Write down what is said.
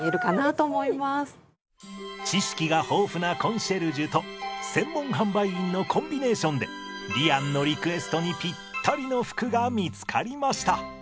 知識が豊富なコンシェルジュと専門販売員のコンビネーションでりあんのリクエストにぴったりの服が見つかりました。